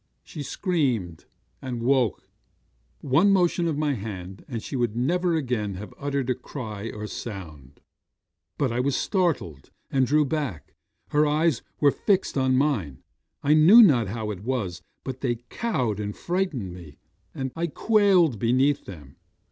She screamed, and woke. 'One motion of my hand, and she would never again have uttered cry or sound. But I was startled, and drew back. Her eyes were fixed on mine. I knew not how it was, but they cowed and frightened me; and I quailed beneath them.